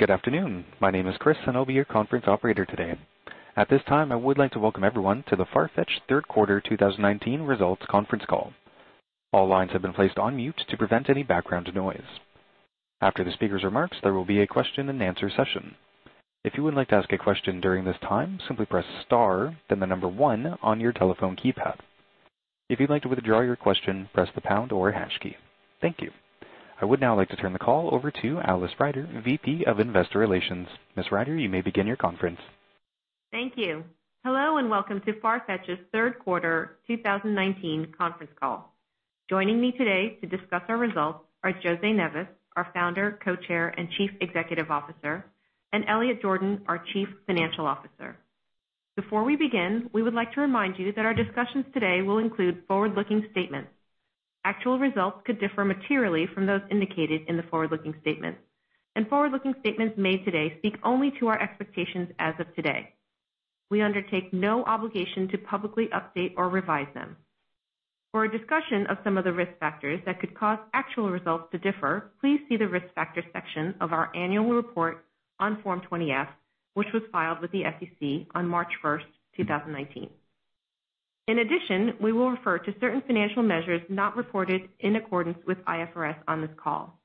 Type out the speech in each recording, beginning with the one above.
Good afternoon. My name is Chris, and I'll be your conference operator today. At this time, I would like to welcome everyone to the Farfetch third quarter 2019 results conference call. All lines have been placed on mute to prevent any background noise. After the speaker's remarks, there will be a question and answer session. If you would like to ask a question during this time, simply press star, then the number one on your telephone keypad. If you'd like to withdraw your question, press the pound or hash key. Thank you. I would now like to turn the call over to Alice Ryder, VP of Investor Relations. Ms. Ryder, you may begin your conference. Thank you. Hello, and welcome to Farfetch's third quarter 2019 conference call. Joining me today to discuss our results are José Neves, our Founder, Co-Chair, and Chief Executive Officer, and Elliot Jordan, our Chief Financial Officer. Before we begin, we would like to remind you that our discussions today will include forward-looking statements. Actual results could differ materially from those indicated in the forward-looking statements, and forward-looking statements made today speak only to our expectations as of today. We undertake no obligation to publicly update or revise them. For a discussion of some of the risk factors that could cause actual results to differ, please see the risk factors section of our annual report on Form 20-F, which was filed with the SEC on March first, 2019. In addition, we will refer to certain financial measures not reported in accordance with IFRS on this call.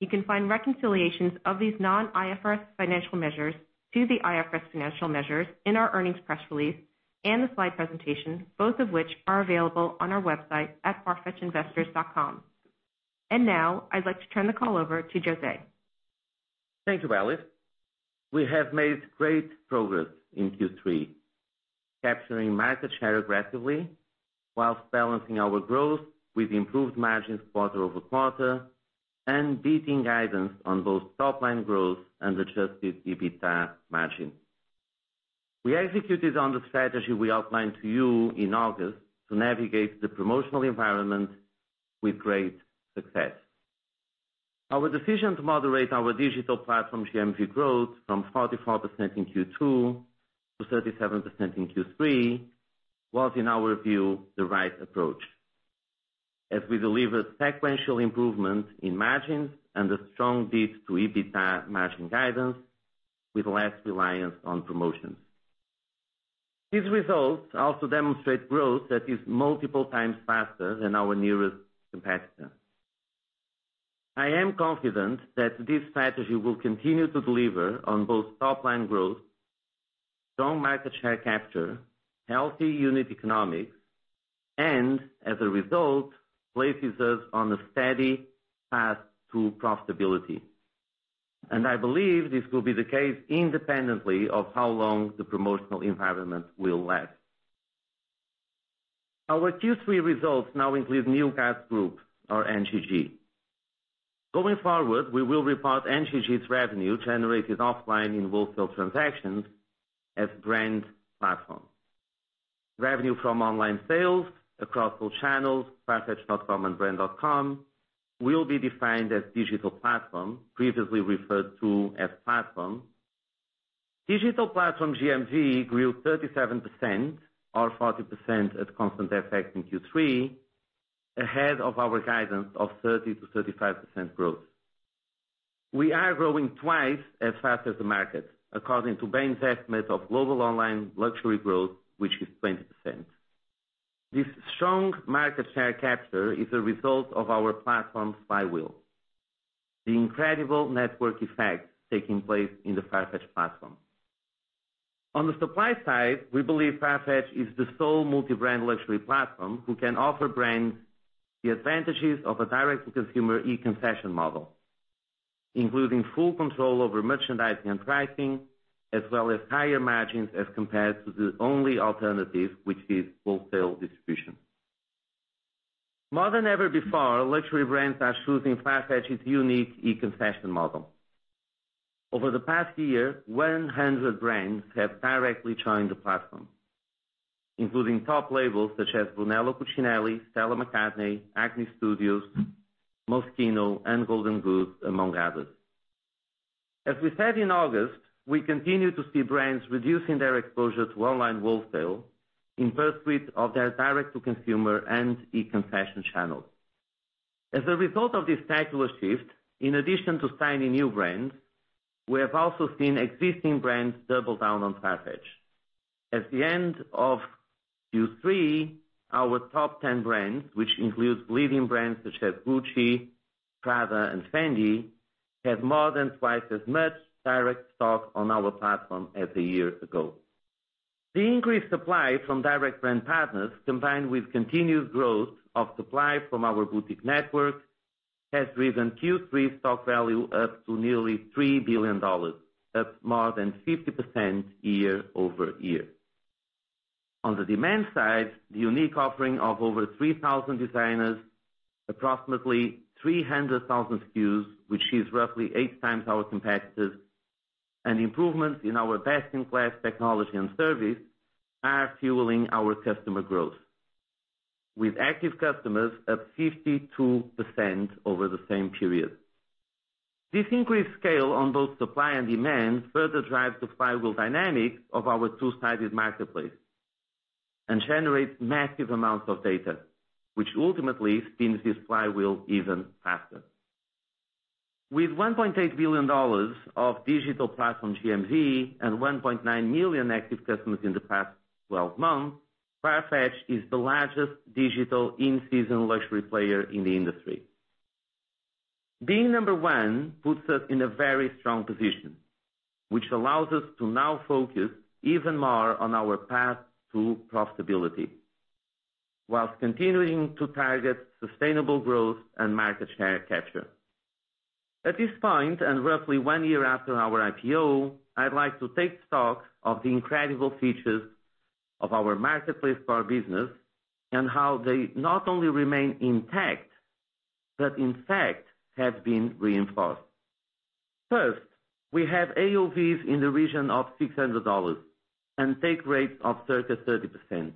You can find reconciliations of these non-IFRS financial measures to the IFRS financial measures in our earnings press release and the slide presentation, both of which are available on our website at farfetchinvestors.com. Now I'd like to turn the call over to José. Thank you, Alice. We have made great progress in Q3, capturing market share aggressively while balancing our growth with improved margins quarter-over-quarter and beating guidance on both top-line growth and adjusted EBITDA margin. We executed on the strategy we outlined to you in August to navigate the promotional environment with great success. Our decision to moderate our digital platform GMV growth from 44% in Q2 to 37% in Q3 was, in our view, the right approach as we delivered sequential improvement in margins and a strong beat to EBITDA margin guidance with less reliance on promotions. These results also demonstrate growth that is multiple times faster than our nearest competitor. I am confident that this strategy will continue to deliver on both top-line growth, strong market share capture, healthy unit economics, and as a result, places us on a steady path to profitability. I believe this will be the case independently of how long the promotional environment will last. Our Q3 results now include New Guards Group or NGG. Going forward, we will report NGG's revenue generated offline in wholesale transactions as brand platform. Revenue from online sales across all channels, farfetch.com and brand.com will be defined as digital platform, previously referred to as platform. Digital platform GMV grew 37% or 40% at constant FX in Q3, ahead of our guidance of 30%-35% growth. We are growing twice as fast as the market, according to Bain's estimate of global online luxury growth, which is 20%. This strong market share capture is a result of our platform flywheel, the incredible network effect taking place in the Farfetch platform. On the supply side, we believe Farfetch is the sole multi-brand luxury platform who can offer brands the advantages of a direct-to-consumer E-Concessions model, including full control over merchandising and pricing, as well as higher margins as compared to the only alternative, which is wholesale distribution. More than ever before, luxury brands are choosing Farfetch's unique E-Concessions model. Over the past year, 100 brands have directly joined the platform, including top labels such as Brunello Cucinelli, Stella McCartney, Acne Studios, Moschino, and Golden Goose, among others. As we said in August, we continue to see brands reducing their exposure to online wholesale in pursuit of their direct-to-consumer and E-Concessions channels. As a result of this secular shift, in addition to signing new brands, we have also seen existing brands double down on Farfetch. At the end of Q3, our top 10 brands, which includes leading brands such as Gucci, Prada, and Fendi, have more than twice as much direct stock on our platform as a year ago. The increased supply from direct brand partners, combined with continued growth of supply from our boutique network, has driven Q3 stock value up to nearly $3 billion, up more than 50% year-over-year. On the demand side, the unique offering of over 3,000 designers, approximately 300,000 SKUs, which is roughly eight times our competitors, and improvements in our best-in-class technology and service are fueling our customer growth, with active customers up 52% over the same period. This increased scale on both supply and demand further drives the flywheel dynamics of our two-sided marketplace. Generate massive amounts of data, which ultimately spins this flywheel even faster. With $1.8 billion of digital platform GMV and 1.9 million active customers in the past 12 months, Farfetch is the largest digital in-season luxury player in the industry. Being number 1 puts us in a very strong position, which allows us to now focus even more on our path to profitability, whilst continuing to target sustainable growth and market share capture. At this point, roughly one year after our IPO, I'd like to take stock of the incredible features of our marketplace for our business and how they not only remain intact, but in fact have been reinforced. First, we have AOV in the region of $600 and take rate of circa 30%.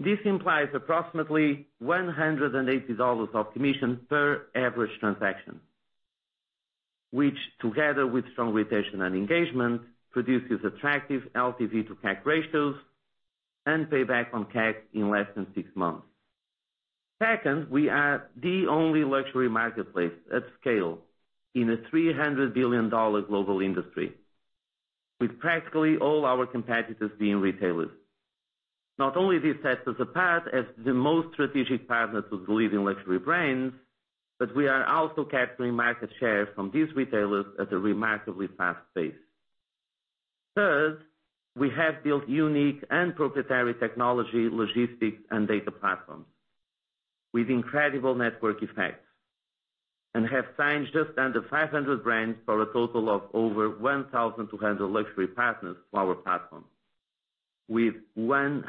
This implies approximately $180 of commission per average transaction, which, together with strong retention and engagement, produces attractive LTV to CAC ratios and payback on CAC in less than six months. Second, we are the only luxury marketplace at scale in a $300 billion global industry, with practically all our competitors being retailers. Not only this sets us apart as the most strategic partners with leading luxury brands, but we are also capturing market share from these retailers at a remarkably fast pace. Third, we have built unique and proprietary technology, logistics, and data platforms with incredible network effects and have signed just under 500 brands for a total of over 1,200 luxury partners to our platform, with 100%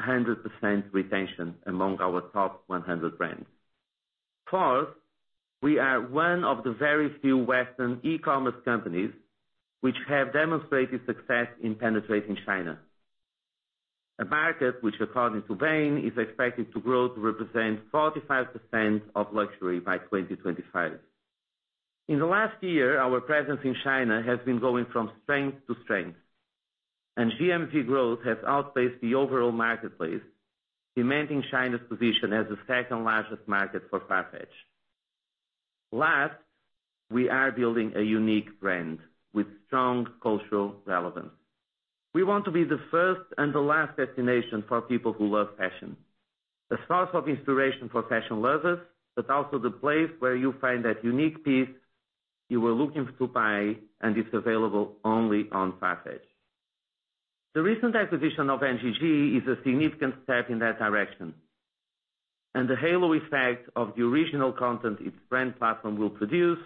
retention among our top 100 brands. Fourth, we are one of the very few Western e-commerce companies which have demonstrated success in penetrating China, a market which, according to Bain, is expected to grow to represent 45% of luxury by 2025. In the last year, our presence in China has been going from strength to strength, and GMV growth has outpaced the overall marketplace, cementing China's position as the second-largest market for Farfetch. Last, we are building a unique brand with strong cultural relevance. We want to be the first and the last destination for people who love fashion. A source of inspiration for fashion lovers, but also the place where you find that unique piece you were looking to buy and it's available only on Farfetch. The recent acquisition of NGG is a significant step in that direction, and the halo effect of the original content its brand platform will produce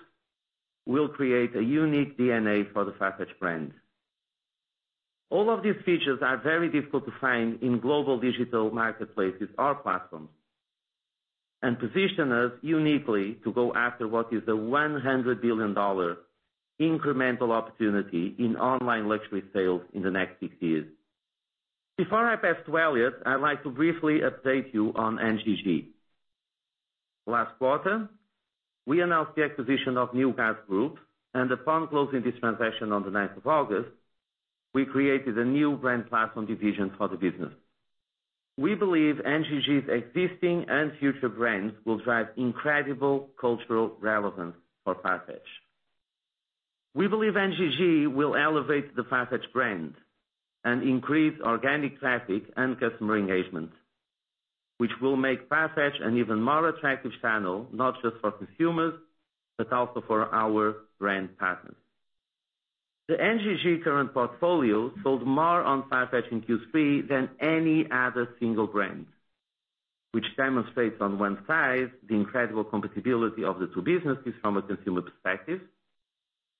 will create a unique DNA for the Farfetch brand. All of these features are very difficult to find in global digital marketplaces or platforms and position us uniquely to go after what is a $100 billion incremental opportunity in online luxury sales in the next six years. Before I pass to Elliot, I'd like to briefly update you on NGG. Last quarter, we announced the acquisition of New Guards Group, and upon closing this transaction on the 9th of August, we created a new brand platform division for the business. We believe NGG's existing and future brands will drive incredible cultural relevance for Farfetch. We believe NGG will elevate the Farfetch brand and increase organic traffic and customer engagement, which will make Farfetch an even more attractive channel, not just for consumers, but also for our brand partners. The NGG current portfolio sold more on Farfetch in Q3 than any other single brand, which demonstrates on one side the incredible compatibility of the two businesses from a consumer perspective,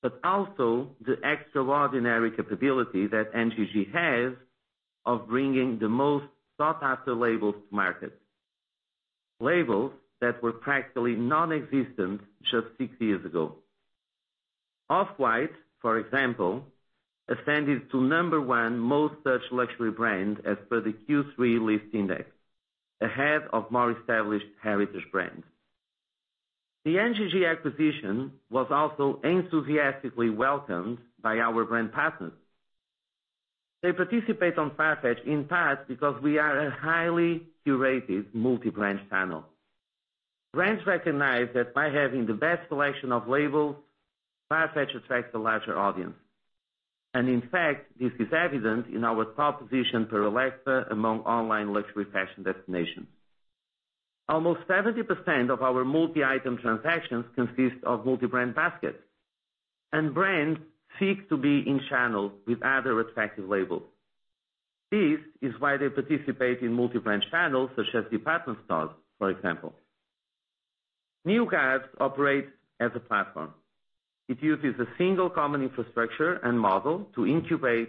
but also the extraordinary capability that NGG has of bringing the most sought-after labels to market. Labels that were practically non-existent just six years ago. Off-White, for example, ascended to number one most searched luxury brand as per the Q3 Lyst Index, ahead of more established heritage brands. The NGG acquisition was also enthusiastically welcomed by our brand partners. They participate on Farfetch, in part, because we are a highly curated multi-brand channel. Brands recognize that by having the best selection of labels, Farfetch attracts a larger audience. In fact, this is evident in our top position per Alexa among online luxury fashion destinations. Almost 70% of our multi-item transactions consist of multi-brand baskets. Brands seek to be in channels with other respected labels. This is why they participate in multi-brand channels such as department stores, for example. New Guards Group operates as a platform. It uses a single common infrastructure and model to incubate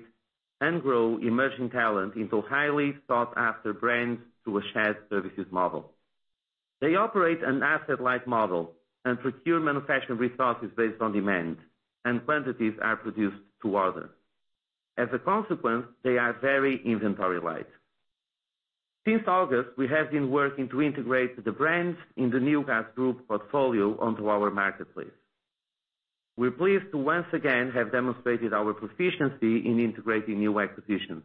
and grow emerging talent into highly sought-after brands through a shared services model. They operate an asset-light model and procure manufacturing resources based on demand, and quantities are produced to order. As a consequence, they are very inventory-light. Since August, we have been working to integrate the brands in the New Guards Group portfolio onto our marketplace. We're pleased to once again have demonstrated our proficiency in integrating new acquisitions.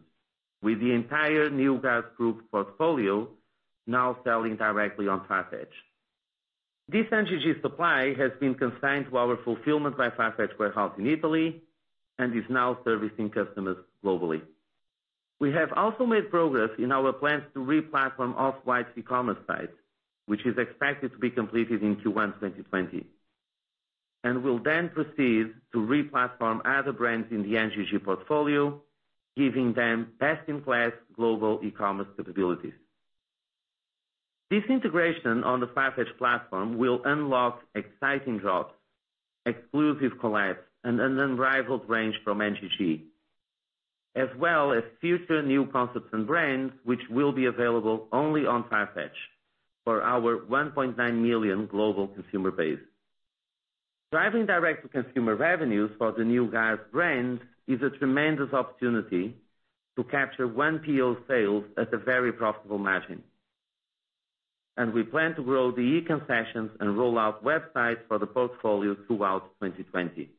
With the entire New Guards Group portfolio now selling directly on Farfetch. This NGG supply has been consigned to our Fulfilment by Farfetch warehouse in Italy and is now servicing customers globally. We have also made progress in our plans to re-platform Off-White's e-commerce site, which is expected to be completed in Q1 2020, will then proceed to re-platform other brands in the NGG portfolio, giving them best-in-class global e-commerce capabilities. This integration on the Farfetch platform will unlock exciting drops, exclusive collabs, and an unrivaled range from NGG, as well as future new concepts and brands, which will be available only on Farfetch for our 1.9 million global consumer base. Driving direct-to-consumer revenues for the New Guards brand is a tremendous opportunity to capture 1P sales at a very profitable margin. We plan to grow the e-concessions and roll out websites for the portfolio throughout 2020.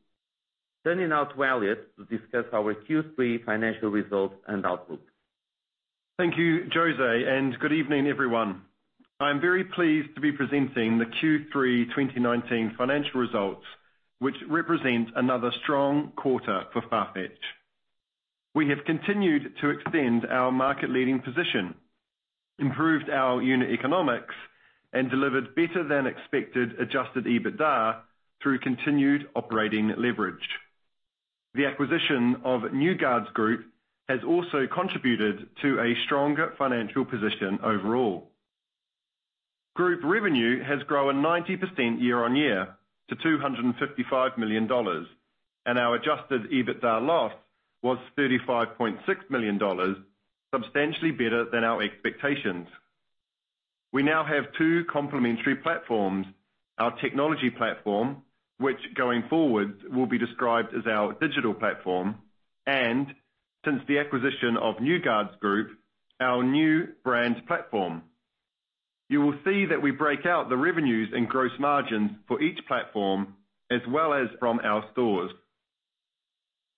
Turning now to Elliot to discuss our Q3 financial results and outlook. Thank you, José, and good evening, everyone. I'm very pleased to be presenting the Q3 2019 financial results, which represent another strong quarter for Farfetch. We have continued to extend our market leading position, improved our unit economics, and delivered better than expected adjusted EBITDA through continued operating leverage. The acquisition of New Guards Group has also contributed to a stronger financial position overall. Group revenue has grown 90% year-on-year to $255 million, and our adjusted EBITDA loss was $35.6 million, substantially better than our expectations. We now have two complementary platforms, our technology platform, which going forward will be described as our digital platform, and since the acquisition of New Guards Group, our new brand platform. You will see that we break out the revenues and gross margins for each platform as well as from our stores.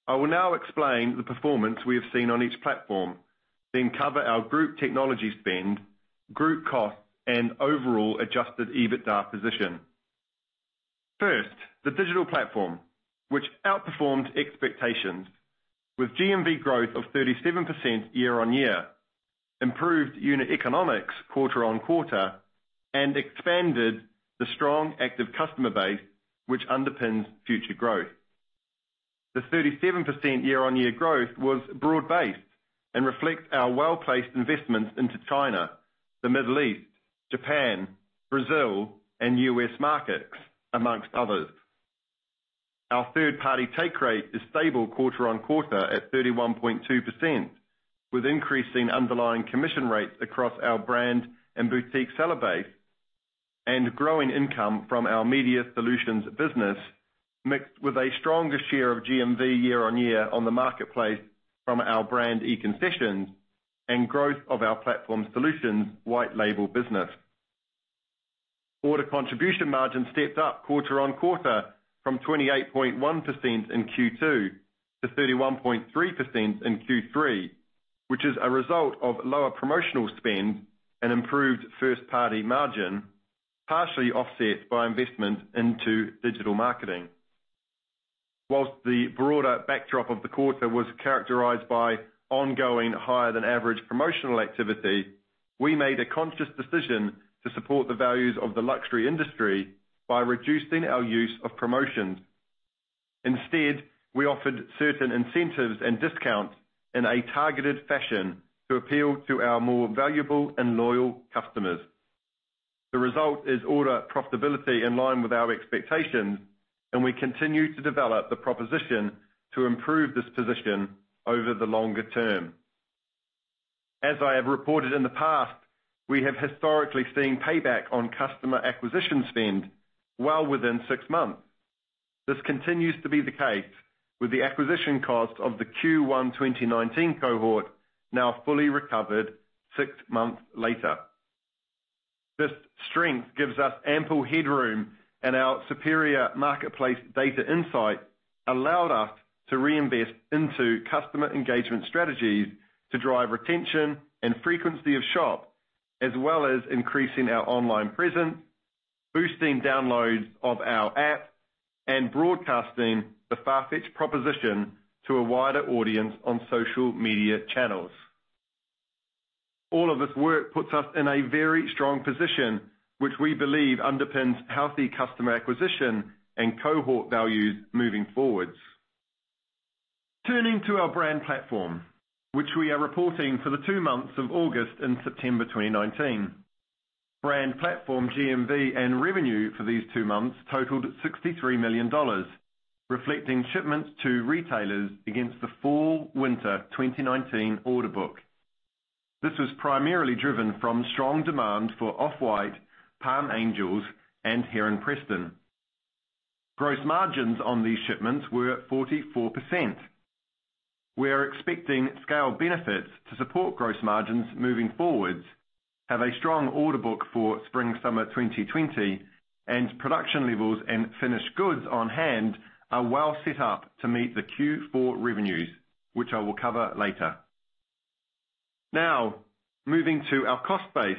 I will now explain the performance we have seen on each platform, then cover our group technology spend, group costs, and overall adjusted EBITDA position. First, the digital platform, which outperformed expectations with GMV growth of 37% year-on-year, improved unit economics quarter-on-quarter, and expanded the strong active customer base, which underpins future growth. The 37% year-on-year growth was broad based and reflects our well-placed investments into China, the Middle East, Japan, Brazil, and U.S. markets, amongst others. Our third-party take rate is stable quarter-on-quarter at 31.2%, with increasing underlying commission rates across our brand and boutique seller base and growing income from our Media Solutions business, mixed with a stronger share of GMV year-on-year on the marketplace from our brand E-Concessions and growth of our platform solutions white label business. Order contribution margin stepped up quarter-on-quarter from 28.1% in Q2 to 31.3% in Q3, which is a result of lower promotional spend and improved first-party margin, partially offset by investment into digital marketing. Whilst the broader backdrop of the quarter was characterized by ongoing higher-than-average promotional activity, we made a conscious decision to support the values of the luxury industry by reducing our use of promotions. Instead, we offered certain incentives and discounts in a targeted fashion to appeal to our more valuable and loyal customers. The result is order profitability in line with our expectations, and we continue to develop the proposition to improve this position over the longer term. As I have reported in the past, we have historically seen payback on customer acquisition spend well within six months. This continues to be the case with the acquisition cost of the Q1 2019 cohort now fully recovered six months later. This strength gives us ample headroom and our superior marketplace data insight allowed us to reinvest into customer engagement strategies to drive retention and frequency of shop, as well as increasing our online presence, boosting downloads of our app, and broadcasting the Farfetch proposition to a wider audience on social media channels. All of this work puts us in a very strong position, which we believe underpins healthy customer acquisition and cohort values moving forwards. Turning to our brand platform, which we are reporting for the two months of August and September 2019. Brand platform GMV and revenue for these two months totaled $63 million, reflecting shipments to retailers against the fall/winter 2019 order book. This was primarily driven from strong demand for Off-White, Palm Angels, and Heron Preston. Gross margins on these shipments were 44%. We are expecting scale benefits to support gross margins moving forwards, have a strong order book for spring-summer 2020, and production levels and finished goods on hand are well set up to meet the Q4 revenues, which I will cover later. Now, moving to our cost base.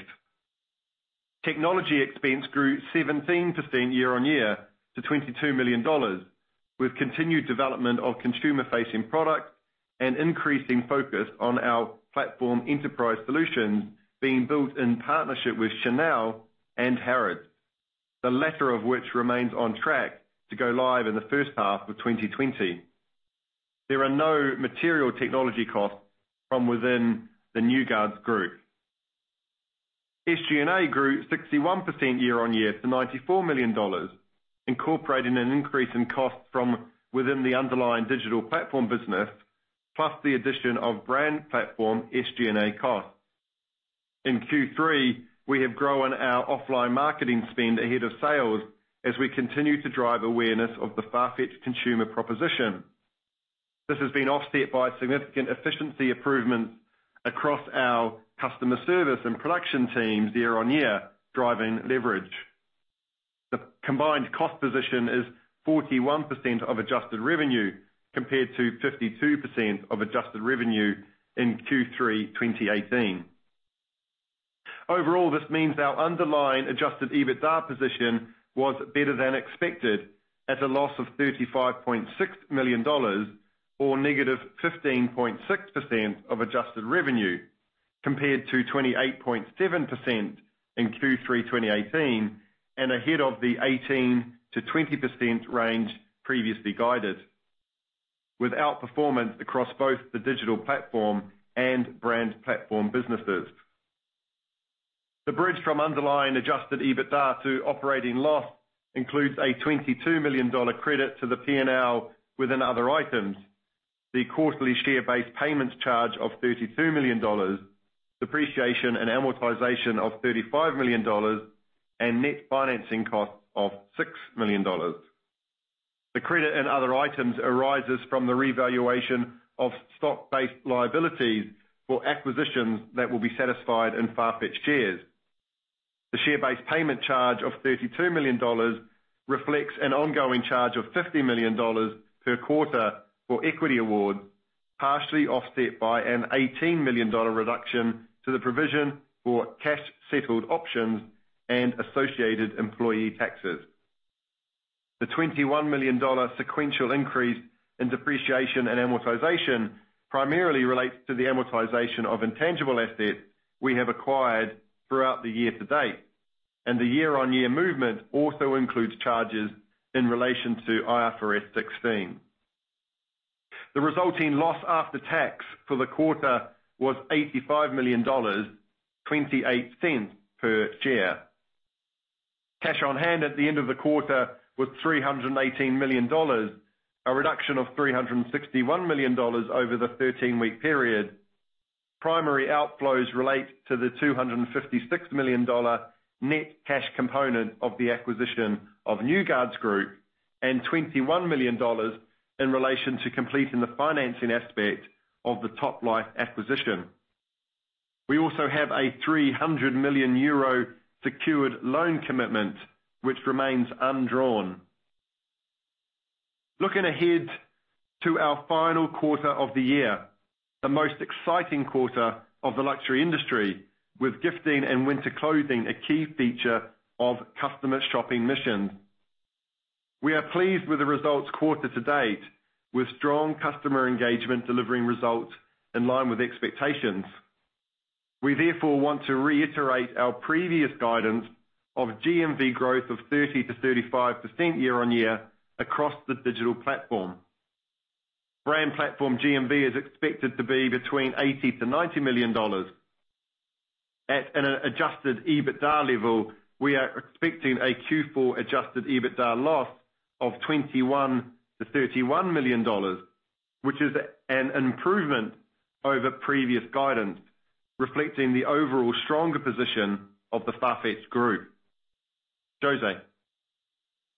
Technology expense grew 17% year-on-year to $22 million, with continued development of consumer-facing products and increasing focus on our platform enterprise solutions being built in partnership with Chanel and Harrods, the latter of which remains on track to go live in the first half of 2020. There are no material technology costs from within the New Guards Group. SG&A grew 61% year-on-year to $94 million, incorporating an increase in cost from within the underlying digital platform business, plus the addition of brand platform SG&A costs. In Q3, we have grown our offline marketing spend ahead of sales as we continue to drive awareness of the Farfetch consumer proposition. This has been offset by significant efficiency improvements across our customer service and production teams year-on-year, driving leverage. The combined cost position is 41% of adjusted revenue, compared to 52% of adjusted revenue in Q3 2018. Overall, this means our underlying adjusted EBITDA position was better than expected at a loss of $35.6 million, or negative 15.6% of adjusted revenue, compared to 28.7% in Q3 2018, and ahead of the 18%-20% range previously guided with outperformance across both the digital platform and brand platform businesses. The bridge from underlying adjusted EBITDA to operating loss includes a $22 million credit to the P&L within other items, the quarterly share-based payments charge of $32 million, depreciation and amortization of $35 million, and net financing cost of $6 million. The credit in other items arises from the revaluation of stock-based liabilities for acquisitions that will be satisfied in Farfetch shares. The share-based payment charge of $32 million reflects an ongoing charge of $50 million per quarter for equity awards, partially offset by an $18 million reduction to the provision for cash-settled options and associated employee taxes. The $21 million sequential increase in depreciation and amortization primarily relates to the amortization of intangible assets we have acquired throughout the year to date, and the year-on-year movement also includes charges in relation to IFRS 16. The resulting loss after tax for the quarter was $85 million, $0.28 per share. Cash on hand at the end of the quarter was $318 million, a reduction of $361 million over the 13-week period. Primary outflows relate to the $256 million net cash component of the acquisition of New Guards Group and $21 million in relation to completing the financing aspect of the Toplife acquisition. We also have a 300 million euro secured loan commitment, which remains undrawn. Looking ahead to our final quarter of the year, the most exciting quarter of the luxury industry, with gifting and winter clothing a key feature of customer shopping missions. We are pleased with the results quarter to date, with strong customer engagement delivering results in line with expectations. We therefore want to reiterate our previous guidance of GMV growth of 30%-35% year-on-year across the digital platform. Brand platform GMV is expected to be between $80 million-$90 million. At an adjusted EBITDA level, we are expecting a Q4 adjusted EBITDA loss of $21 million-$31 million, which is an improvement over previous guidance, reflecting the overall stronger position of the Farfetch group. José.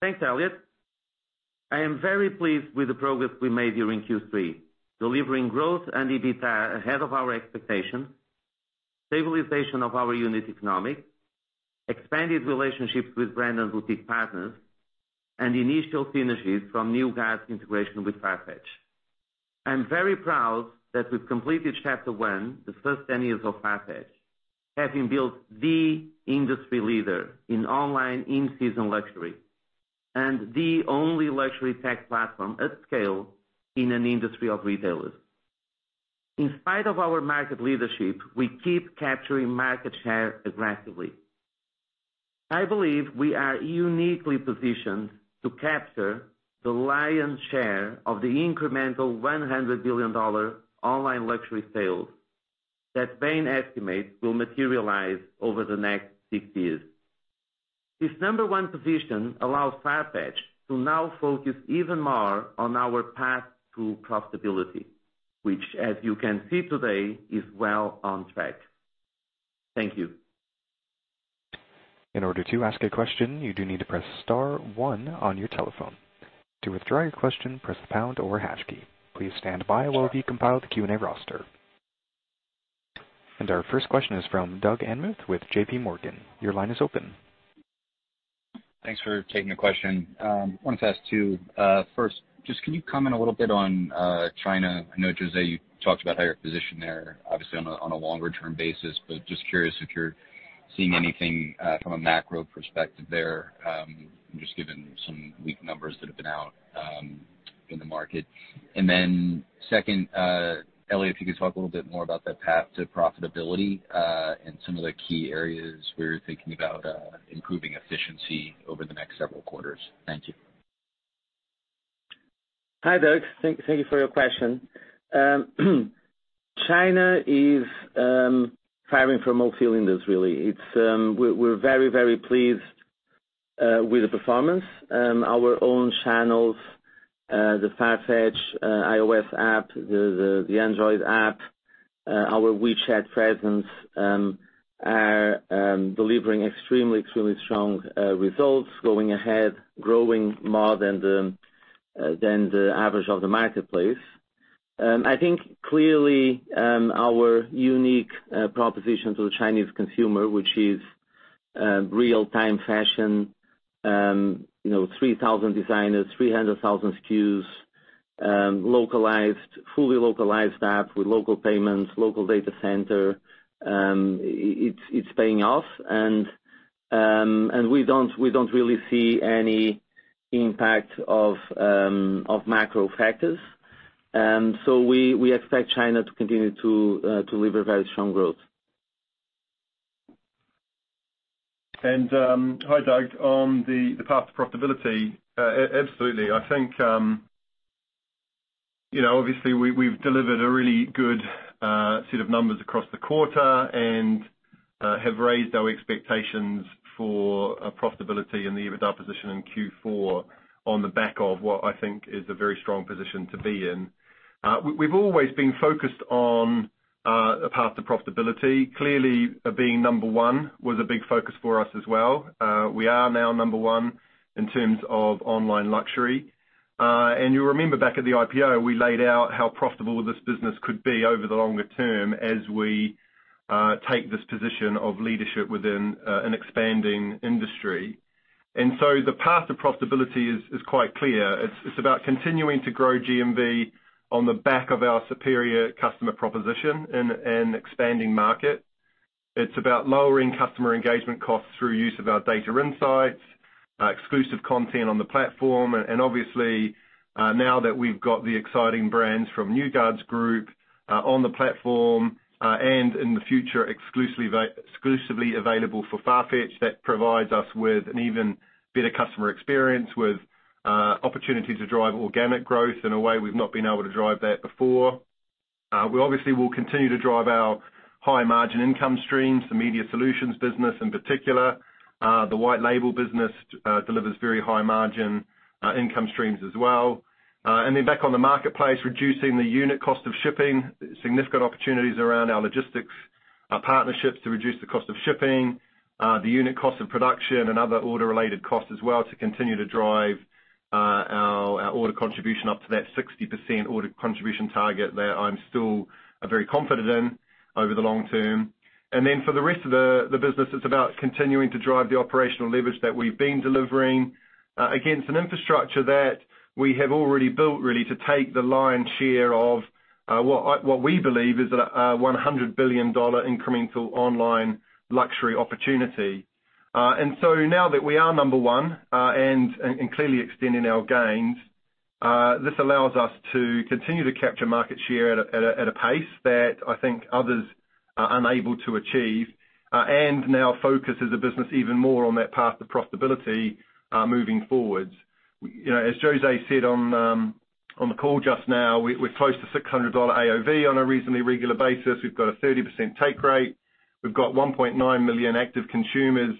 Thanks, Elliot. I am very pleased with the progress we made during Q3, delivering growth and EBITDA ahead of our expectations, stabilization of our unit economics, expanded relationships with brand and boutique partners, and initial synergies from New Guards' integration with Farfetch. I'm very proud that we've completed chapter one, the first 10 years of Farfetch, having built the industry leader in online in-season luxury and the only luxury tech platform at scale in an industry of retailers. In spite of our market leadership, we keep capturing market share aggressively. I believe we are uniquely positioned to capture the lion's share of the incremental $100 billion online luxury sales that Bain estimates will materialize over the next six years. This number 1 position allows Farfetch to now focus even more on our path to profitability, which as you can see today, is well on track. Thank you. In order to ask a question, you do need to press star one on your telephone. To withdraw your question, press the pound or hash key. Please stand by while we compile the Q&A roster. Our first question is from Doug Anmuth with JPMorgan. Your line is open. Thanks for taking the question. Wanted to ask two. First, just can you comment a little bit on China? I know, José, you talked about how you're positioned there, obviously on a longer-term basis, but just curious if you're seeing anything from a macro perspective there. Just given some weak numbers that have been out in the market. Second, Elliot, if you could talk a little bit more about that path to profitability, and some of the key areas where you're thinking about improving efficiency over the next several quarters. Thank you. Hi, Doug. Thank you for your question. China is firing from all cylinders really. We're very pleased with the performance. Our own channels, the Farfetch iOS app, the Android app, our WeChat presence, are delivering extremely strong results going ahead, growing more than the average of the marketplace. I think clearly, our unique proposition to the Chinese consumer, which is real-time fashion, 3,000 designers, 300,000 SKUs, fully localized app with local payments, local data center, it's paying off. We don't really see any impact of macro factors. We expect China to continue to deliver very strong growth. Hi, Doug. On the path to profitability, absolutely. I think, obviously, we've delivered a really good set of numbers across the quarter, and have raised our expectations for profitability in the EBITDA position in Q4 on the back of what I think is a very strong position to be in. We've always been focused on a path to profitability. Clearly, being number one was a big focus for us as well. We are now number one in terms of online luxury. You'll remember back at the IPO, we laid out how profitable this business could be over the longer term as we take this position of leadership within an expanding industry. The path to profitability is quite clear. It's about continuing to grow GMV on the back of our superior customer proposition in an expanding market. It's about lowering customer engagement costs through use of our data insights, exclusive content on the platform. Obviously, now that we've got the exciting brands from New Guards Group on the platform, and in the future exclusively available for Farfetch, that provides us with an even better customer experience, with opportunity to drive organic growth in a way we've not been able to drive that before. We obviously will continue to drive our high margin income streams, the Media Solutions business in particular. The Black & White business delivers very high margin income streams as well. Back on the marketplace, reducing the unit cost of shipping, significant opportunities around our logistics partnerships to reduce the cost of shipping, the unit cost of production and other order-related costs as well to continue to drive our order contribution up to that 60% order contribution target that I'm still very confident in over the long term. For the rest of the business, it's about continuing to drive the operational leverage that we've been delivering against an infrastructure that we have already built really to take the lion's share of what we believe is a $100 billion incremental online luxury opportunity. Now that we are number 1, and clearly extending our gains, this allows us to continue to capture market share at a pace that I think others are unable to achieve, and now focus as a business even more on that path to profitability moving forward. As José said on the call just now, we're close to $600 AOV on a reasonably regular basis. We've got a 30% take rate. We've got 1.9 million active consumers.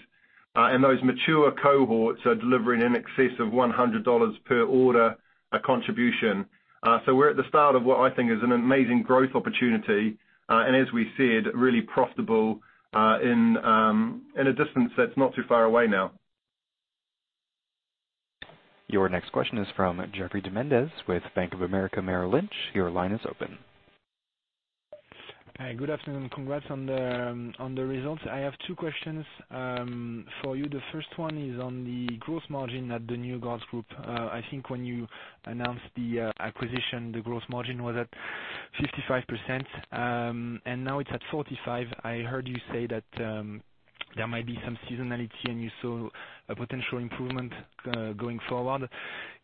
And those mature cohorts are delivering in excess of $100 per order, a contribution. So we're at the start of what I think is an amazing growth opportunity. And as we said, really profitable in a distance that's not too far away now. Your next question is from Geoffroy De Mendez with Bank of America Merrill Lynch. Your line is open. Hi. Good afternoon. Congrats on the results. I have two questions for you. The first one is on the gross margin at the New Guards Group. I think when you announced the acquisition, the gross margin was at 55%, and now it's at 45%. I heard you say that there might be some seasonality, and you saw a potential improvement going forward.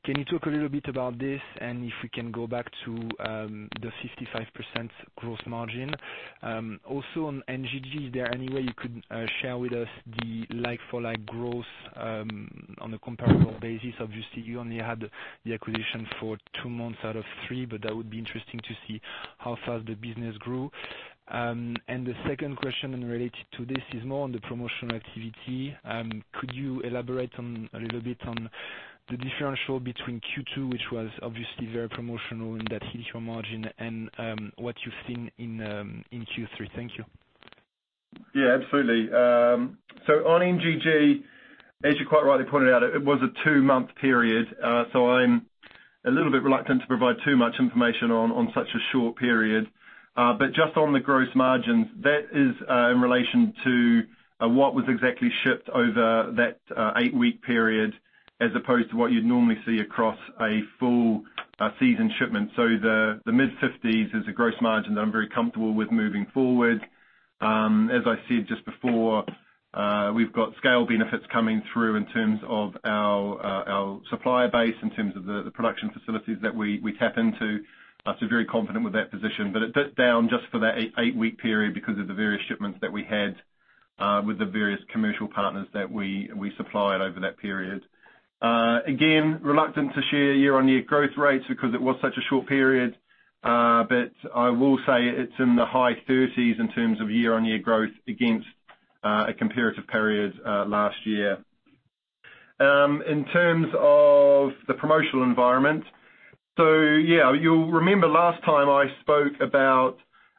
Can you talk a little bit about this, and if we can go back to the 55% gross margin? Also on NGG, is there any way you could share with us the like-for-like growth on a comparable basis? Obviously, you only had the acquisition for two months out of three, but that would be interesting to see how fast the business grew. The second question related to this is more on the promotional activity. Could you elaborate a little bit on The differential between Q2, which was obviously very promotional in that hit your margin and what you've seen in Q3. Thank you. Yeah, absolutely. On NGG, as you quite rightly pointed out, it was a two-month period, so I'm a little bit reluctant to provide too much information on such a short period. Just on the gross margins, that is in relation to what was exactly shipped over that eight-week period, as opposed to what you'd normally see across a full season shipment. The mid-50s is a gross margin that I'm very comfortable with moving forward. As I said just before, we've got scale benefits coming through in terms of our supplier base, in terms of the production facilities that we tap into. Very confident with that position. It dipped down just for that eight-week period because of the various shipments that we had with the various commercial partners that we supplied over that period. Reluctant to share year-on-year growth rates because it was such a short period. I will say it's in the high 30s in terms of year-on-year growth against a comparative period last year. In terms of the promotional environment. You'll remember last time I spoke about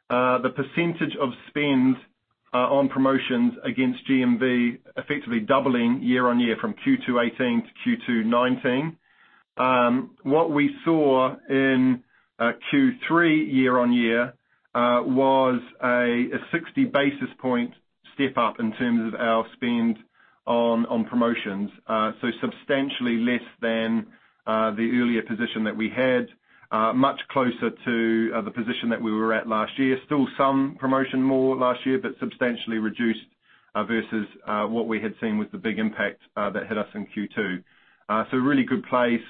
the percentage of spend on promotions against GMV effectively doubling year-on-year from Q2 2018 to Q2 2019. What we saw in Q3 year-on-year was a 60-basis point step-up in terms of our spend on promotions. Substantially less than the earlier position that we had. Much closer to the position that we were at last year. Still some promotion more last year, substantially reduced, versus what we had seen with the big impact that hit us in Q2. A really good place.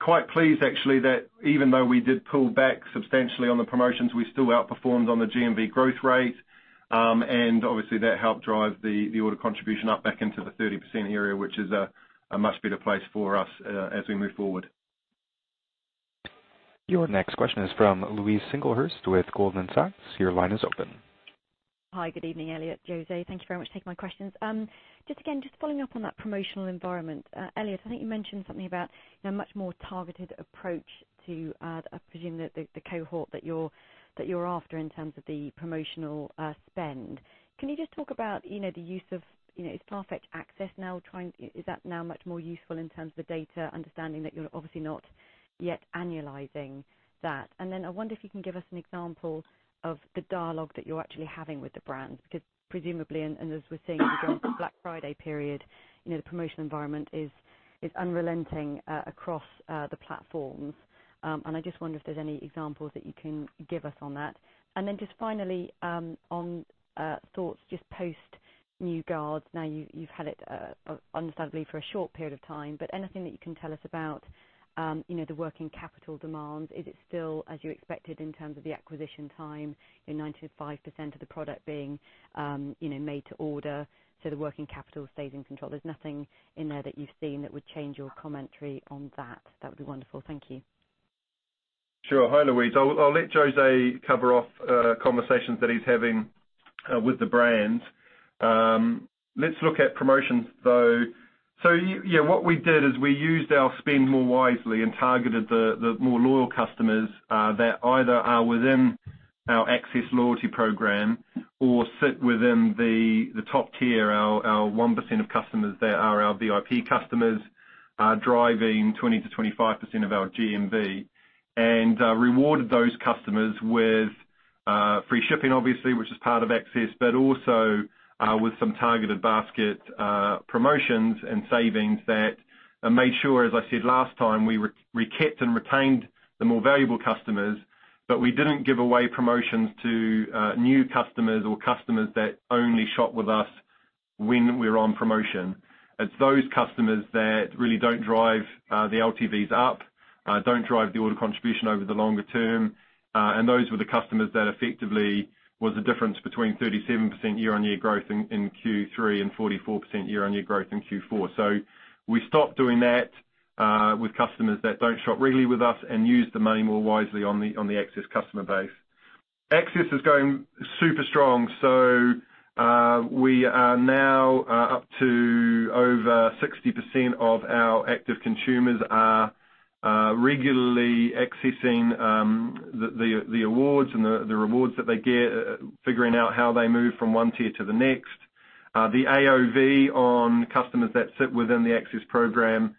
Quite pleased actually that even though we did pull back substantially on the promotions, we still outperformed on the GMV growth rate. Obviously that helped drive the order contribution up back into the 30% area, which is a much better place for us as we move forward. Your next question is from Louise Singlehurst with Goldman Sachs. Your line is open. Hi, good evening, Elliot, José. Thank you very much for taking my questions. Again, just following up on that promotional environment. Elliot, I think you mentioned something about a much more targeted approach to, I presume the cohort that you're after in terms of the promotional spend. Can you just talk about the use of, is Farfetch Access now much more useful in terms of the data, understanding that you're obviously not yet annualizing that? I wonder if you can give us an example of the dialogue that you're actually having with the brands, because presumably, as we're seeing during the Black Friday period, the promotion environment is unrelenting across the platforms. I just wonder if there's any examples that you can give us on that. Just finally, on thoughts just post New Guards. Now you've had it, understandably, for a short period of time, but anything that you can tell us about the working capital demands? Is it still as you expected in terms of the acquisition time, 95% of the product being made to order, so the working capital stays in control? There's nothing in there that you've seen that would change your commentary on that. That would be wonderful. Thank you. Sure. Hi, Louise. I'll let José cover off conversations that he's having with the brands. Let's look at promotions, though. Yeah, what we did is we used our spend more wisely and targeted the more loyal customers that either are within our Access loyalty program or sit within the top tier, our 1% of customers that are our VIP customers, are driving 20%-25% of our GMV. Rewarded those customers with free shipping, obviously, which is part of Access, also with some targeted basket promotions and savings that made sure, as I said last time, we kept and retained the more valuable customers, we didn't give away promotions to new customers or customers that only shop with us when we're on promotion. It's those customers that really don't drive the LTVs up, don't drive the order contribution over the longer term. Those were the customers that effectively was the difference between 37% year-on-year growth in Q3 and 44% year-on-year growth in Q4. We stopped doing that with customers that don't shop regularly with us and used the money more wisely on the Access customer base. Access is going super strong. We are now up to over 60% of our active consumers are regularly accessing the awards and the rewards that they get, figuring out how they move from one tier to the next. The AOV on customers that sit within the Access program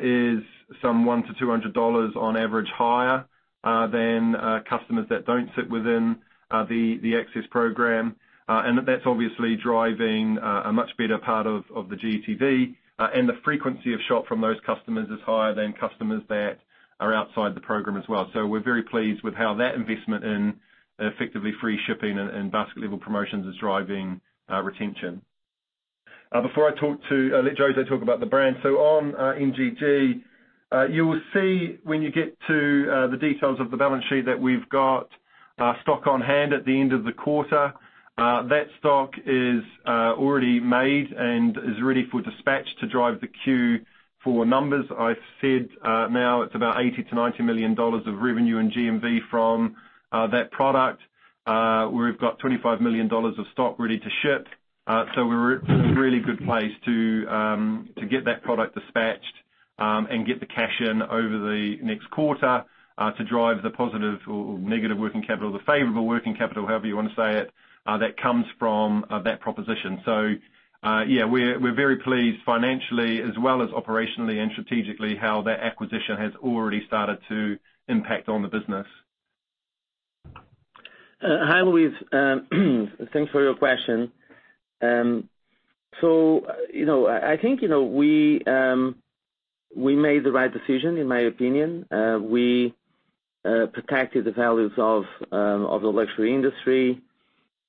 is some $100-$200 on average higher than customers that don't sit within the Access program. That's obviously driving a much better part of the GTV. The frequency of shop from those customers is higher than customers that are outside the program as well. We're very pleased with how that investment in effectively free shipping and basket level promotions is driving retention. Before I let José talk about the brand, on NGG, you will see when you get to the details of the balance sheet that we've got stock on hand at the end of the quarter. That stock is already made and is ready for dispatch to drive the Q4 numbers. I said now it's about $80 million-$90 million of revenue in GMV from that product. We've got $25 million of stock ready to ship. We're in a really good place to get that product dispatched, and get the cash in over the next quarter, to drive the positive or negative working capital, the favorable working capital, however you want to say it, that comes from that proposition. Yeah, we're very pleased financially as well as operationally and strategically, how that acquisition has already started to impact on the business. Hi, Louise. Thanks for your question. I think we made the right decision, in my opinion. We protected the values of the luxury industry,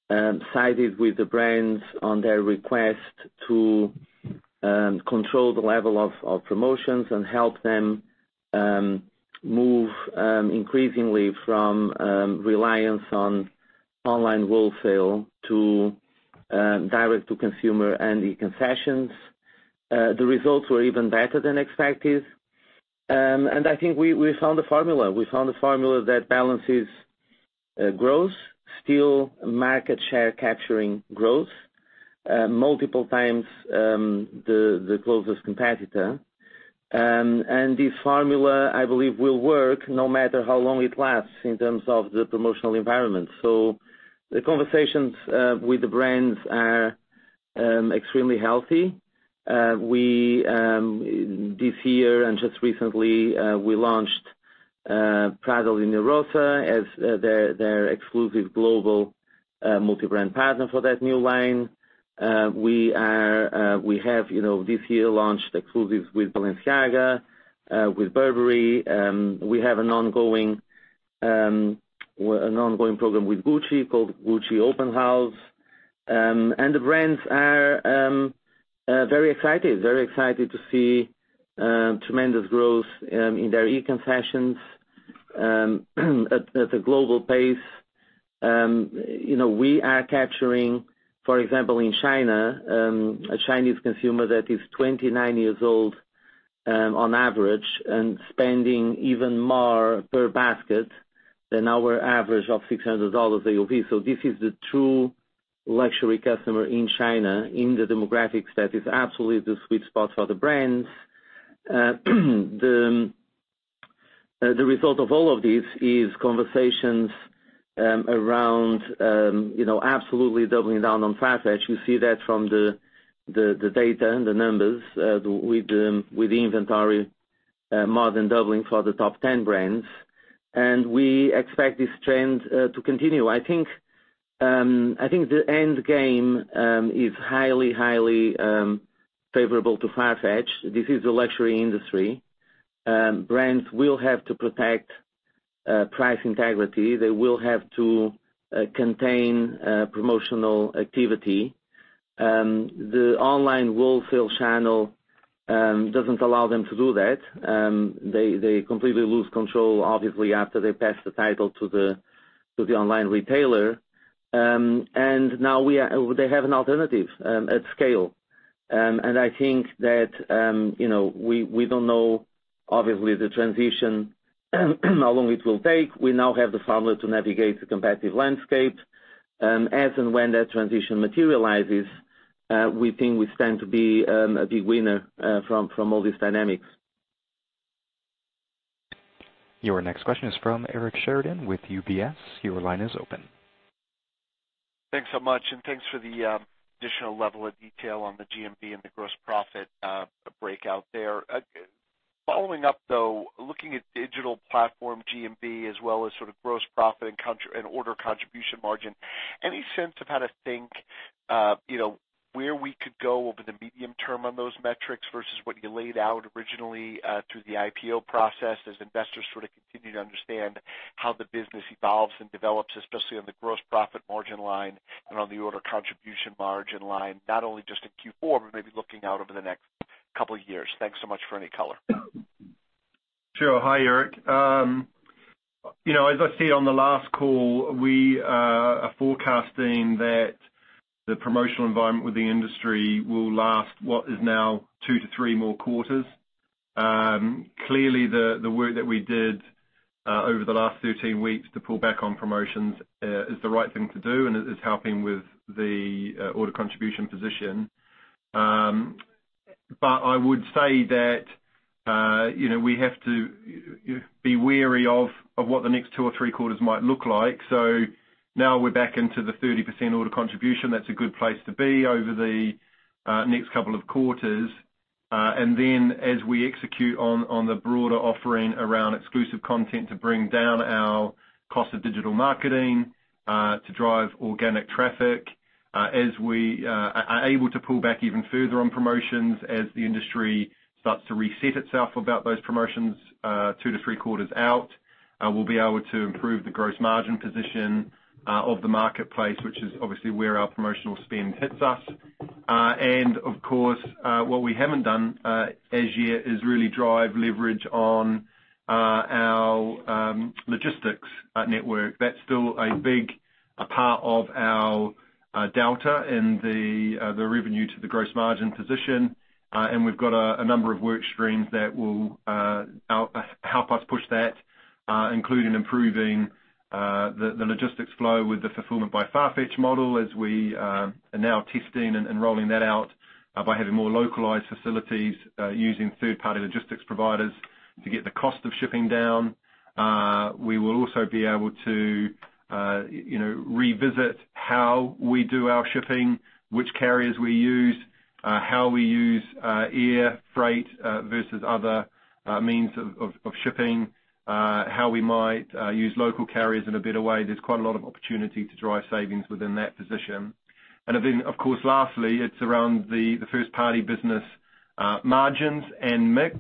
sided with the brands on their request to control the level of promotions and help them move increasingly from reliance on online wholesale to direct-to-consumer and E-Concessions. The results were even better than expected. I think we found a formula. We found a formula that balances growth, still market share capturing growth, multiple times the closest competitor. The formula, I believe, will work no matter how long it lasts in terms of the promotional environment. The conversations with the brands are extremely healthy. This year, and just recently, we launched Prada Linea Rossa as their exclusive global multi-brand partner for that new line. We have, this year, launched exclusives with Balenciaga, with Burberry. We have an ongoing program with Gucci called Gucci Open House. The brands are very excited to see tremendous growth in their E-Concessions at a global pace. We are capturing, for example, in China, a Chinese consumer that is 29 years old, on average, and spending even more per basket than our average of $600 AOV. This is the true luxury customer in China, in the demographics, that is absolutely the sweet spot for the brands. The result of all of this is conversations around absolutely doubling down on Farfetch. You see that from the data and the numbers, with inventory more than doubling for the top 10 brands. We expect this trend to continue. I think the end game is highly favorable to Farfetch. This is the luxury industry. Brands will have to protect price integrity. They will have to contain promotional activity. The online wholesale channel doesn't allow them to do that. They completely lose control, obviously, after they pass the title to the online retailer. Now they have an alternative at scale. I think that we don't know, obviously, the transition, how long it will take. We now have the formula to navigate the competitive landscape. As and when that transition materializes, we think we stand to be a big winner from all these dynamics. Your next question is from Eric Sheridan with UBS. Your line is open. Thanks so much, and thanks for the additional level of detail on the GMV and the gross profit breakout there. Following up, though, looking at digital platform GMV as well as sort of gross profit and order contribution margin, any sense of how to think where we could go over the medium term on those metrics versus what you laid out originally through the IPO process as investors sort of continue to understand how the business evolves and develops, especially on the gross profit margin line and on the order contribution margin line, not only just in Q4, but maybe looking out over the next couple of years? Thanks so much for any color. Sure. Hi, Eric. As I said on the last call, we are forecasting that the promotional environment with the industry will last what is now two to three more quarters. Clearly, the work that we did over the last 13 weeks to pull back on promotions, is the right thing to do, and it is helping with the order contribution position. I would say that we have to be wary of what the next two or three quarters might look like. Now we're back into the 30% order contribution. That's a good place to be over the next couple of quarters. As we execute on the broader offering around exclusive content to bring down our cost of digital marketing, to drive organic traffic, as we are able to pull back even further on promotions as the industry starts to reset itself about those promotions 2-3 quarters out, we'll be able to improve the gross margin position of the marketplace, which is obviously where our promotional spend hits us. Of course, what we haven't done as yet is really drive leverage on our logistics network. That's still a big part of our AOV delta in the revenue to the gross margin position. We've got a number of work streams that will help us push that, including improving the logistics flow with the Fulfilment by Farfetch model as we are now testing and rolling that out by having more localized facilities, using third-party logistics providers to get the cost of shipping down. We will also be able to revisit how we do our shipping, which carriers we use, how we use air freight versus other means of shipping, how we might use local carriers in a better way. There's quite a lot of opportunity to drive savings within that position. Of course, lastly, it's around the first-party business margins and mix.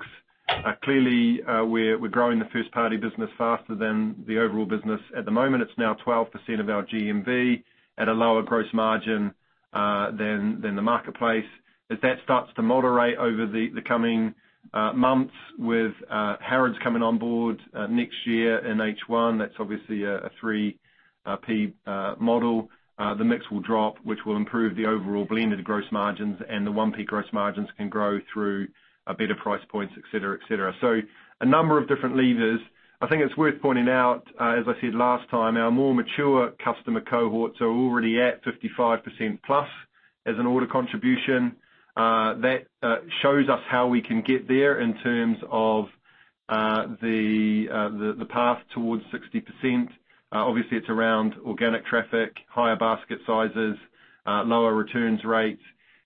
Clearly, we're growing the first-party business faster than the overall business. At the moment, it's now 12% of our GMV at a lower gross margin than the marketplace. As that starts to moderate over the coming months with Harrods coming on board next year in H1, that's obviously a 3P model. The mix will drop, which will improve the overall blended gross margins, and the 1P gross margins can grow through better price points, et cetera. A number of different levers. I think it's worth pointing out, as I said last time, our more mature customer cohorts are already at 55% plus as an order contribution. That shows us how we can get there in terms of the path towards 60%. Obviously, it's around organic traffic, higher basket sizes, lower returns rates,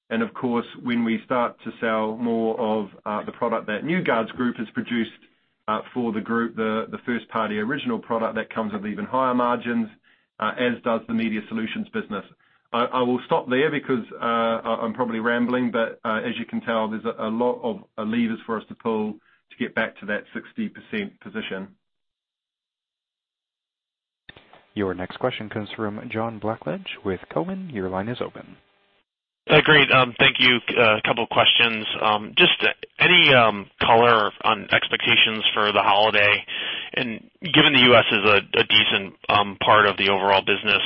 and of course, when we start to sell more of the product that New Guards Group has produced for the group, the first-party original product, that comes with even higher margins, as does the Media Solutions business. I will stop there because I'm probably rambling, but as you can tell, there's a lot of levers for us to pull to get back to that 60% position. Your next question comes from John Blackledge with Cowen. Your line is open. Great. Thank you. A couple of questions. Just any color on expectations for the holiday, and given the U.S. is a decent part of the overall business,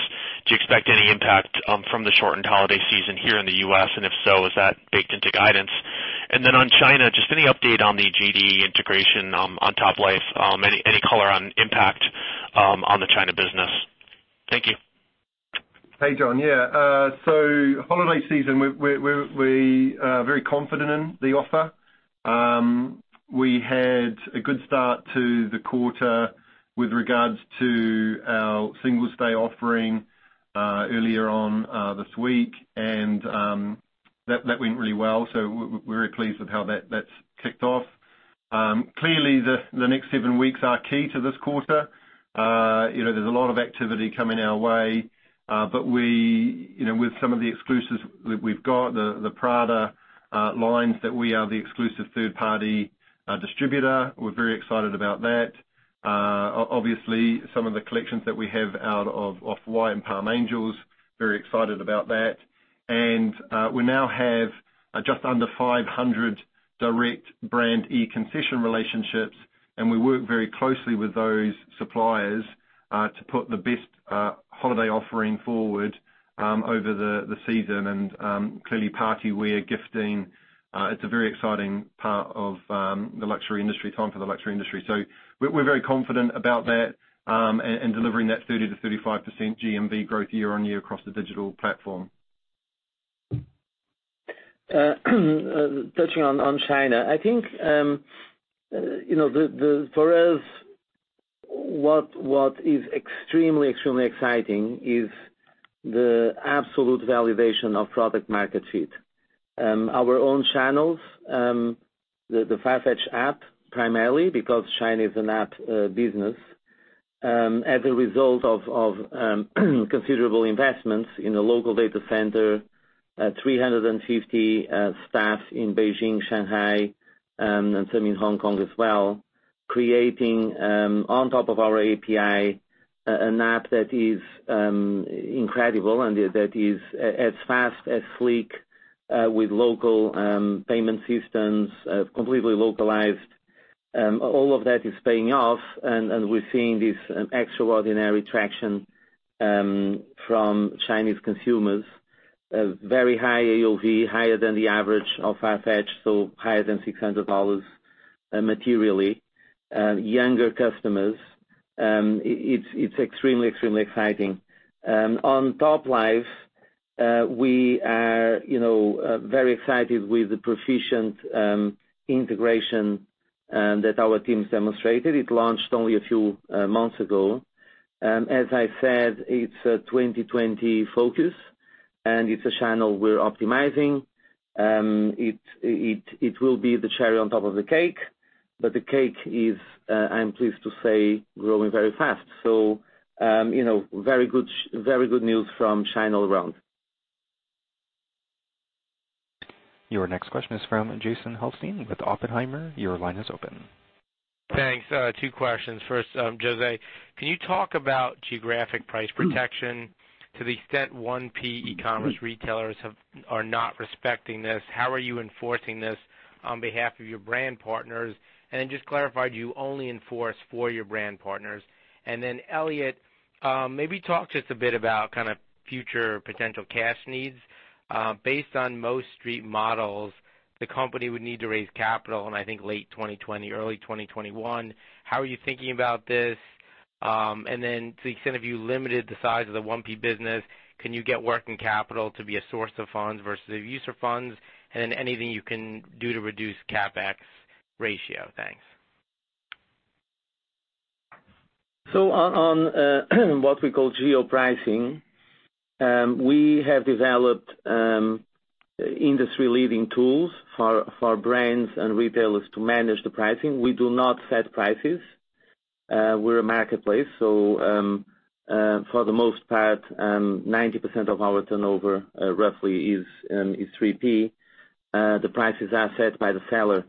do you expect any impact from the shortened holiday season here in the U.S.? If so, is that baked into guidance? On China, just any update on the JD integration on Toplife. Any color on impact on the China business? Thank you. Hey, John. Yeah. Holiday season, we are very confident in the offer. We had a good start to the quarter with regards to our Singles Day offering earlier on this week, and that went really well. We're very pleased with how that's kicked off. Clearly, the next seven weeks are key to this quarter. There's a lot of activity coming our way, but with some of the exclusives we've got, the Prada Linea Rossa that we are the exclusive third-party distributor, we're very excited about that. Obviously, some of the collections that we have out of Off-White and Palm Angels, very excited about that. We now have just under 500 direct brand E-Concessions relationships, and we work very closely with those suppliers to put the best holiday offering forward over the season. Clearly party wear gifting, it's a very exciting part of the luxury industry, time for the luxury industry. We're very confident about that and delivering that 30%-35% GMV growth year-on-year across the digital platform. Touching on China, I think for us what is extremely exciting is the absolute validation of product-market fit. Our own channels, the Farfetch app primarily because China is an app business. As a result of considerable investments in the local data center, 350 staff in Beijing, Shanghai, and some in Hong Kong as well, creating, on top of our API, an app that is incredible and that is as fast, as sleek with local payment systems, completely localized. All of that is paying off, we're seeing this extraordinary traction from Chinese consumers. Very high AOV, higher than the average of Farfetch, so higher than $600 materially. Younger customers. It's extremely exciting. On Toplife, we are very excited with the proficient integration that our team's demonstrated. It launched only a few months ago. As I said, it's a 2020 focus, and it's a channel we're optimizing. It will be the cherry on top of the cake, but the cake is, I'm pleased to say, growing very fast. Very good news from China all around. Your next question is from Jason Helfstein with Oppenheimer. Your line is open. Thanks. Two questions. First, José, can you talk about geographic price protection to the extent 1P e-commerce retailers are not respecting this, how are you enforcing this on behalf of your brand partners? Just clarify, do you only enforce for your brand partners? Elliot, maybe talk just a bit about future potential cash needs. Based on most street models, the company would need to raise capital in, I think, late 2020, early 2021. How are you thinking about this? To the extent have you limited the size of the 1P business, can you get working capital to be a source of funds versus a user funds? Anything you can do to reduce CapEx ratio? Thanks. On what we call geo-pricing, we have developed industry-leading tools for our brands and retailers to manage the pricing. We do not set prices. We're a marketplace, for the most part, 90% of our turnover roughly is 3P. The prices are set by the seller.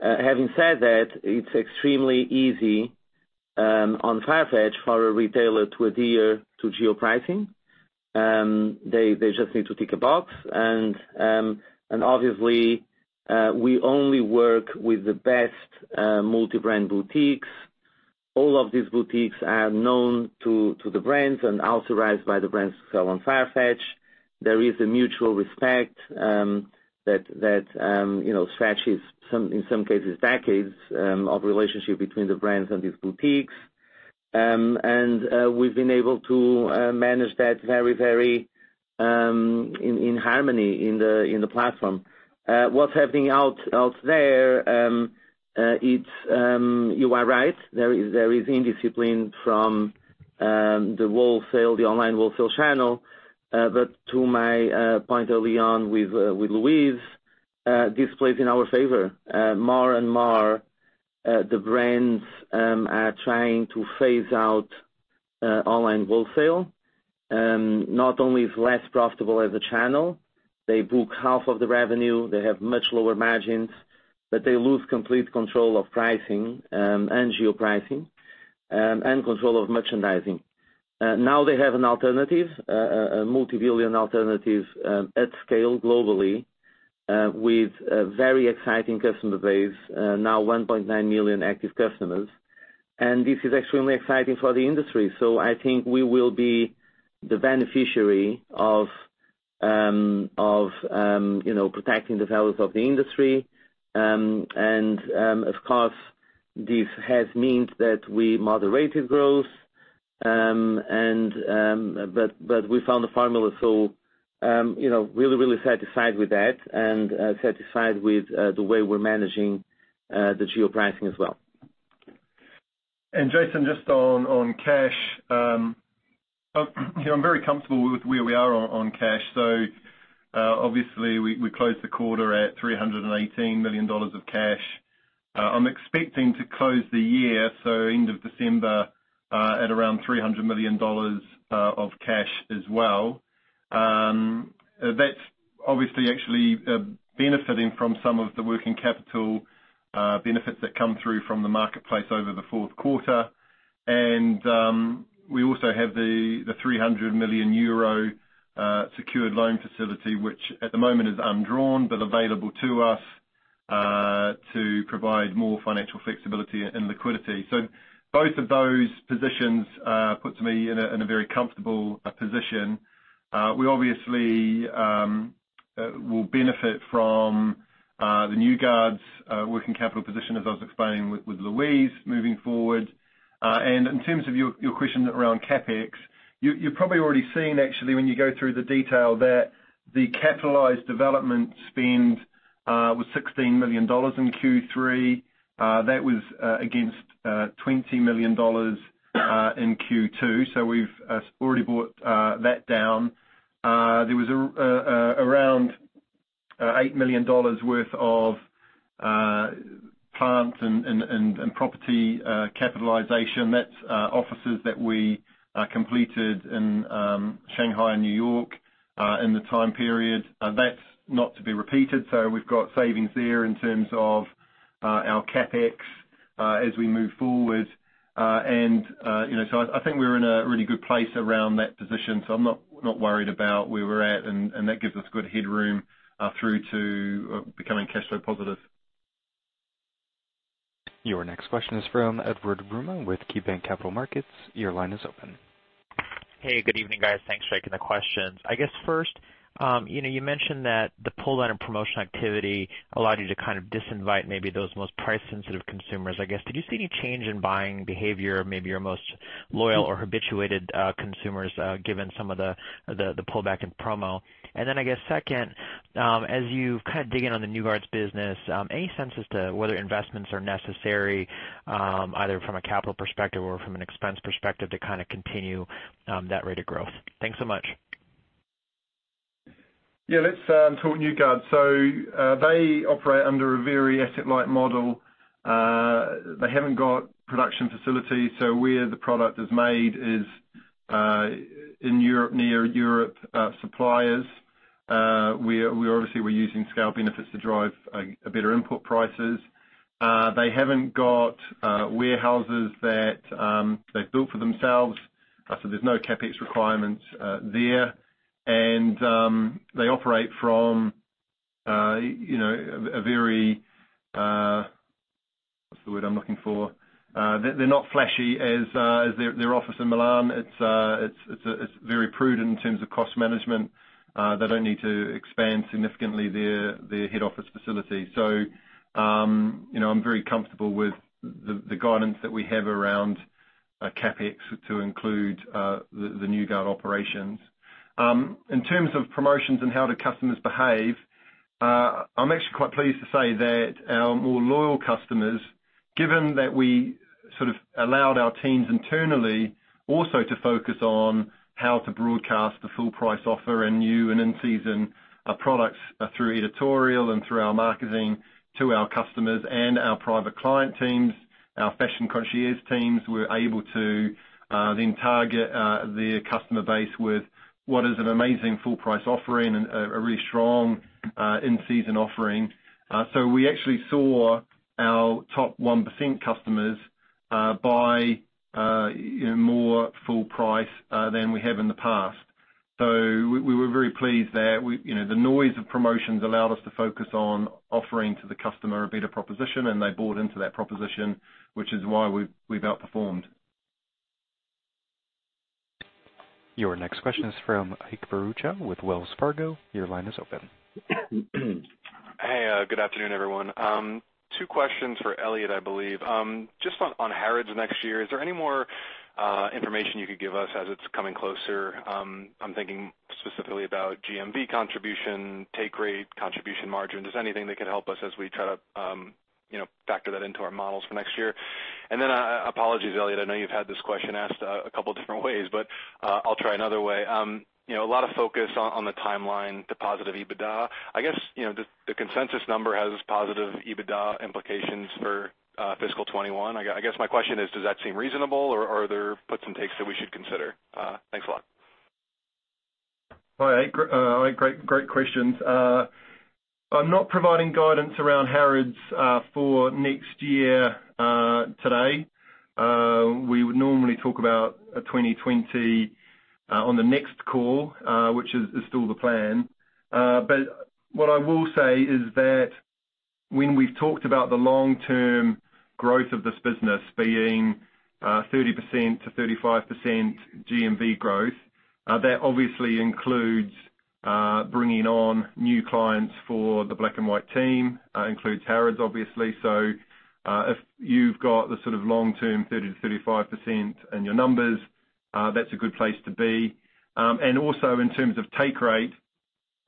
Having said that, it's extremely easy on Farfetch for a retailer to adhere to geo-pricing. They just need to tick a box, and obviously, we only work with the best multi-brand boutiques. All of these boutiques are known to the brands and authorized by the brands to sell on Farfetch. There is a mutual respect that stretches, in some cases, decades of relationship between the brands and these boutiques. We've been able to manage that very in harmony in the platform. What's happening out there, you are right. There is indiscipline from the online wholesale channel. To my point early on with Louise, this plays in our favor. More and more, the brands are trying to phase out online wholesale. Not only is less profitable as a channel, they book half of the revenue, they have much lower margins, but they lose complete control of pricing and geo-pricing, and control of merchandising. Now they have an alternative, a multi-billion alternative at scale globally, with a very exciting customer base, now 1.9 million active customers. This is extremely exciting for the industry. I think we will be the beneficiary of protecting the values of the industry. Of course, this has meant that we moderated growth. We found a formula so, really, really satisfied with that, and satisfied with the way we're managing the geo-pricing as well. Jason, just on cash. I'm very comfortable with where we are on cash. Obviously, we closed the quarter at $318 million of cash. I'm expecting to close the year, so end of December, at around $300 million of cash as well. That's obviously actually benefiting from some of the working capital benefits that come through from the marketplace over the fourth quarter. We also have the 300 million euro secured loan facility, which at the moment is undrawn, but available to us to provide more financial flexibility and liquidity. Both of those positions put me in a very comfortable position. We obviously will benefit from the New Guards Group working capital position, as I was explaining with Louise, moving forward. In terms of your question around CapEx, you've probably already seen actually, when you go through the detail, that the capitalized development spend was $16 million in Q3. That was against $20 million in Q2, so we've already brought that down. There was around $8 million worth of plant and property capitalization. That's offices that we completed in Shanghai and New York in the time period. That's not to be repeated. We've got savings there in terms of our CapEx as we move forward. I think we're in a really good place around that position. I'm not worried about where we're at, and that gives us good headroom through to becoming cash flow positive. Your next question is from Edward Yruma with KeyBanc Capital Markets. Your line is open. Hey, good evening, guys. Thanks for taking the questions. I guess first, you mentioned that the pull-down and promotion activity allowed you to kind of disinvite maybe those most price-sensitive consumers. I guess, did you see any change in buying behavior of maybe your most loyal or habituated consumers, given some of the pullback in promo? I guess second, as you've kind of dig in on the New Guards business, any sense as to whether investments are necessary, either from a capital perspective or from an expense perspective to continue that rate of growth? Thanks so much. Yeah. Let's talk New Guards. They operate under a very asset-light model. They haven't got production facilities, so where the product is made in Europe, near Europe, suppliers. We obviously were using scale benefits to drive better input prices. They haven't got warehouses that they've built for themselves, so there's no CapEx requirements there. They operate from a very What's the word I'm looking for? They're not flashy as their office in Milan. It's very prudent in terms of cost management. They don't need to expand significantly their head office facility. I'm very comfortable with the guidance that we have around CapEx to include the New Guards operations. In terms of promotions and how the customers behave, I'm actually quite pleased to say that our more loyal customers, given that we sort of allowed our teams internally also to focus on how to broadcast the full price offer and new and in-season products through editorial and through our marketing to our customers and our private client teams, our Fashion Concierge teams were able to then target their customer base with what is an amazing full price offering and a really strong in-season offering. We actually saw our top 1% customers buy more full price than we have in the past. We were very pleased there. The noise of promotions allowed us to focus on offering to the customer a better proposition, and they bought into that proposition, which is why we've outperformed. Your next question is from Ike Boruchow with Wells Fargo. Your line is open. Hey, good afternoon, everyone. Two questions for Elliot, I believe. Just on Harrods next year, is there any more information you could give us as it's coming closer? I'm thinking specifically about GMV contribution, take rate, contribution margin. Just anything that could help us as we try to factor that into our models for next year. Then, apologies, Elliot, I know you've had this question asked a couple different ways, but I'll try another way. A lot of focus on the timeline to positive EBITDA. I guess, the consensus number has positive EBITDA implications for fiscal 2021. I guess my question is, does that seem reasonable, or are there puts and takes that we should consider? Thanks a lot. Hi. Great questions. I'm not providing guidance around Harrods for next year today. We would normally talk about 2020 on the next call, which is still the plan. What I will say is that when we've talked about the long-term growth of this business being 30%-35% GMV growth, that obviously includes bringing on new clients for the Black & White team, includes Harrods, obviously. If you've got the sort of long-term 30%-35% in your numbers, that's a good place to be. Also in terms of take rate,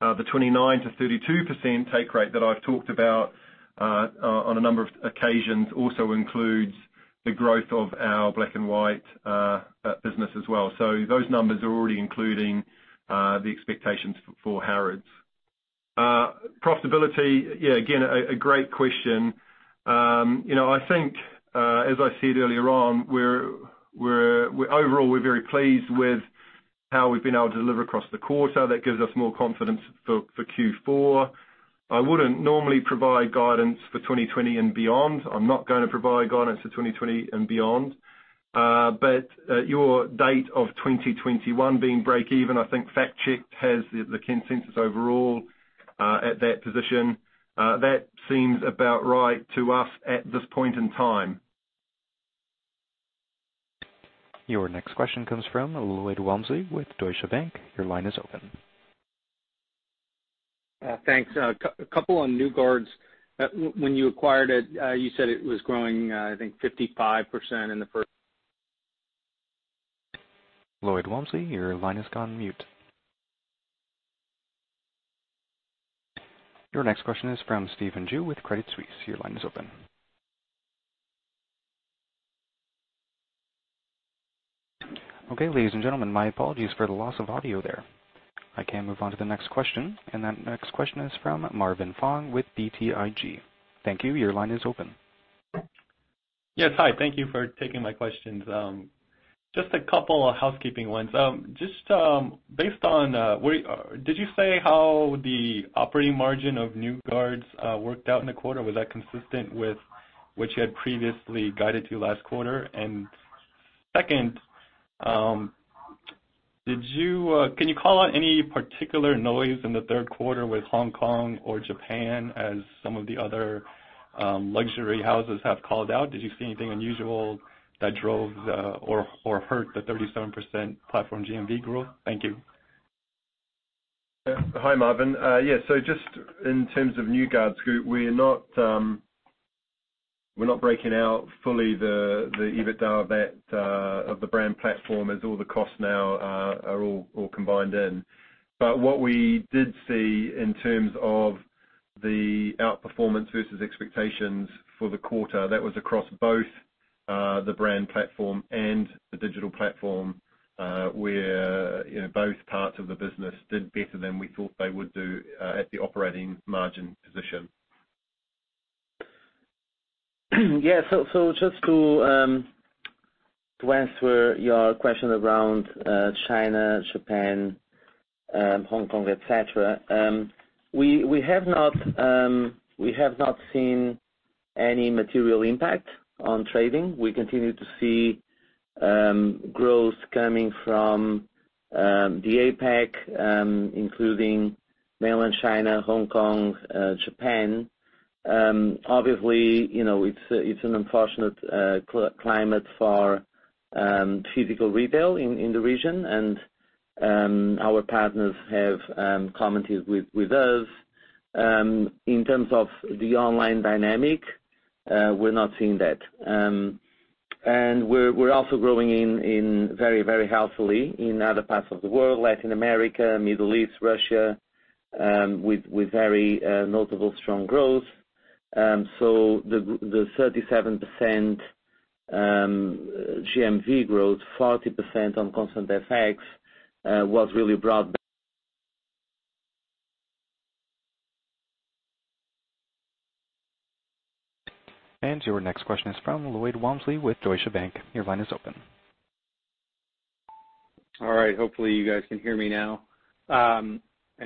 the 29%-32% take rate that I've talked about on a number of occasions also includes the growth of our Black & White business as well. Those numbers are already including the expectations for Harrods. Profitability. Yeah, again, a great question. I think, as I said earlier on, overall, we're very pleased with how we've been able to deliver across the quarter. That gives us more confidence for Q4. I wouldn't normally provide guidance for 2020 and beyond. I'm not going to provide guidance for 2020 and beyond. Your date of 2021 being break even, I think Farfetch has the consensus overall at that position. That seems about right to us at this point in time. Your next question comes from Lloyd Walmsley with Deutsche Bank. Your line is open. Thanks. A couple on New Guards. When you acquired it, you said it was growing, I think, 55% in the first. Lloyd Walmsley, your line has gone mute. Your next question is from Stephen Ju with Credit Suisse. Your line is open. Ladies and gentlemen, my apologies for the loss of audio there. I can move on to the next question, and that next question is from Marvin Fong with BTIG. Thank you. Your line is open. Yes, hi. Thank you for taking my questions. Just a couple of housekeeping ones. Did you say how the operating margin of New Guards worked out in the quarter? Was that consistent with what you had previously guided to last quarter? Second, can you call out any particular noise in the third quarter with Hong Kong or Japan as some of the other luxury houses have called out? Did you see anything unusual that drove or hurt the 37% platform GMV growth? Thank you. Hi, Marvin. Yeah, just in terms of New Guards Group, we're not breaking out fully the EBITDA of that, of the brand platform, as all the costs now are all combined in. What we did see in terms of the outperformance versus expectations for the quarter, that was across both the brand platform and the digital platform, where both parts of the business did better than we thought they would do at the operating margin position. Just to answer your question around China, Japan, Hong Kong, et cetera. We have not seen any material impact on trading. We continue to see growth coming from the APAC, including Mainland China, Hong Kong, Japan. It's an unfortunate climate for physical retail in the region, and our partners have commented with us. In terms of the online dynamic, we're not seeing that. We're also growing very healthily in other parts of the world, Latin America, Middle East, Russia, with very notable strong growth. The 37% GMV growth, 40% on constant FX, was really brought Your next question is from Lloyd Walmsley with Deutsche Bank. Your line is open. All right. Hopefully, you guys can hear me now.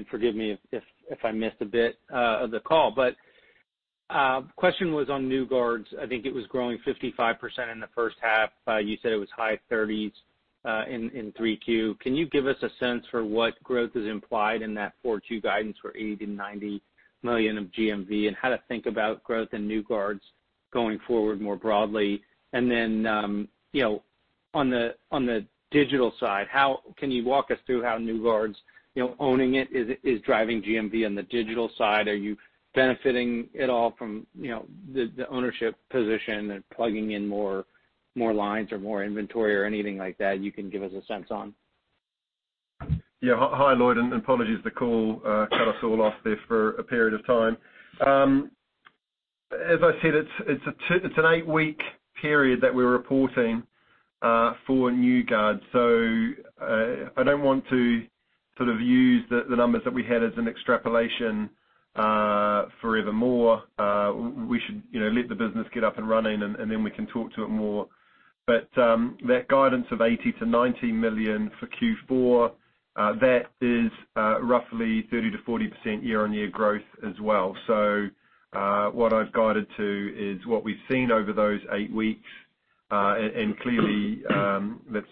Forgive me if I missed a bit of the call. Question was on New Guards. I think it was growing 55% in the first half. You said it was high 30s in 3Q. Can you give us a sense for what growth is implied in that 4Q guidance for $80 million-$90 million of GMV, and how to think about growth in New Guards going forward more broadly? On the digital side, can you walk us through how New Guards owning it is driving GMV on the digital side? Are you benefiting at all from the ownership position and plugging in more lines or more inventory or anything like that you can give us a sense on? Yeah. Hi, Lloyd. Apologies, the call cut us all off there for a period of time. As I said, it's an eight-week period that we're reporting for New Guards. I don't want to sort of use the numbers that we had as an extrapolation forevermore. We should let the business get up and running. Then we can talk to it more. That guidance of $80 million-$90 million for Q4, that is roughly 30%-40% year-on-year growth as well. What I've guided to is what we've seen over those eight weeks. Clearly, that's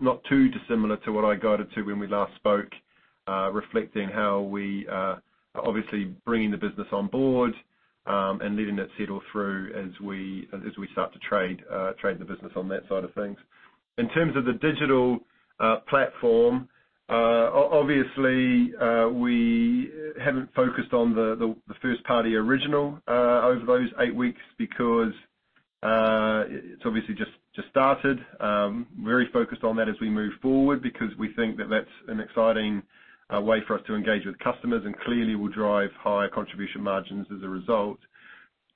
not too dissimilar to what I guided to when we last spoke, reflecting how we are obviously bringing the business on board and letting it settle through as we start to trade the business on that side of things. In terms of the digital platform, obviously, we haven't focused on the first-party original over those eight weeks because it's obviously just started. Very focused on that as we move forward because we think that that's an exciting way for us to engage with customers and clearly will drive higher contribution margins as a result.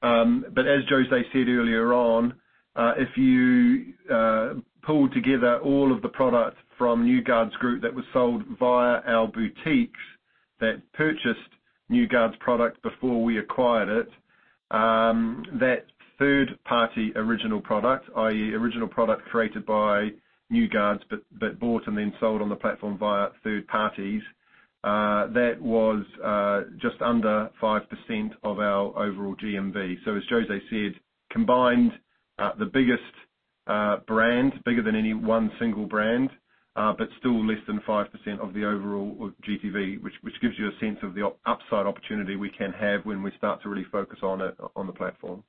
As José said earlier on, if you pulled together all of the product from New Guards Group that was sold via our boutiques that purchased New Guards product before we acquired it, that third-party original product, i.e., original product created by New Guards, but bought and then sold on the platform via third parties, that was just under 5% of our overall GMV. As José said, combined, the biggest brand, bigger than any one single brand, but still less than 5% of the overall GTV, which gives you a sense of the upside opportunity we can have when we start to really focus on it on the platform.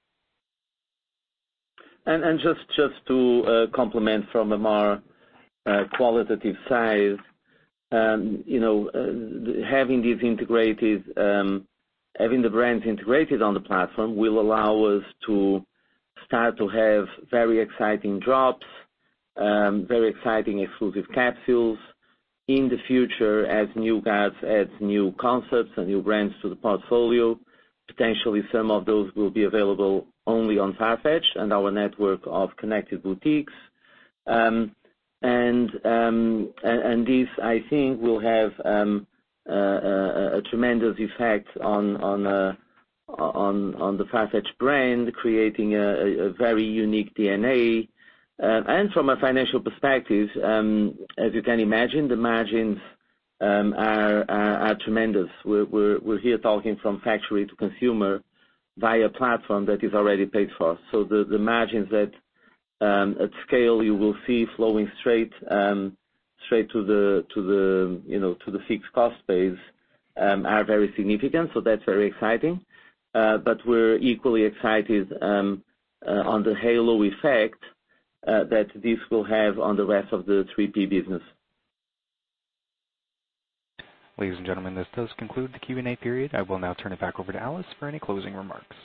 Just to complement from a more qualitative side. Having the brands integrated on the platform will allow us to start to have very exciting drops, very exciting exclusive capsules. In the future, as New Guards adds new concepts and new brands to the portfolio, potentially some of those will be available only on Farfetch and our network of connected boutiques. This, I think, will have a tremendous effect on the Farfetch brand, creating a very unique DNA. From a financial perspective, as you can imagine, the margins are tremendous. We're here talking from factory to consumer via a platform that is already paid for. The margins that at scale you will see flowing straight to the fixed cost base are very significant, so that's very exciting. We're equally excited on the halo effect that this will have on the rest of the 3P business. Ladies and gentlemen, this does conclude the Q&A period. I will now turn it back over to Alice for any closing remarks.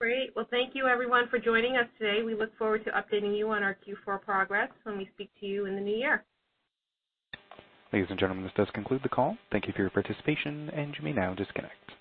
Great. Well, thank you, everyone, for joining us today. We look forward to updating you on our Q4 progress when we speak to you in the new year. Ladies and gentlemen, this does conclude the call. Thank you for your participation, and you may now disconnect.